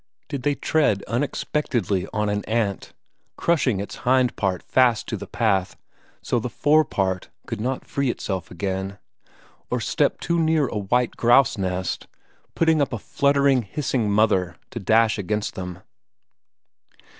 Did they tread unexpectedly upon an ant, crushing its hind part fast to the path, so the fore part could not free itself again? Or step too near a white grouse nest, putting up a fluttering hissing mother to dash against them?